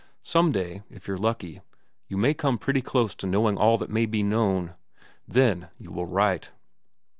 Some day, if you're lucky, you may come pretty close to knowing all that may be known. Then you will write."